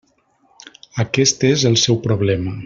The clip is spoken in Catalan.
Aquest és el seu problema.